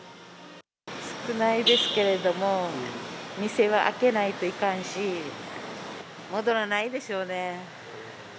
少ないですけれども、店は開けないといかんし、戻らないでしょうね。